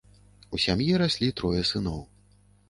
У сям'і раслі трое сыноў.